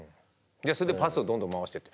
それでパスをどんどん回してって。